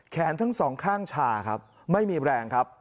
ทั้งสองข้างชาครับไม่มีแรงครับ